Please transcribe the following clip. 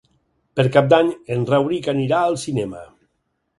Per Cap d'Any en Rauric anirà al cinema.